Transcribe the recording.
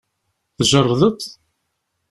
Tjerrdeḍ?